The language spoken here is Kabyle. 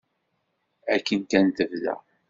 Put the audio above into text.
Akken kan tebda.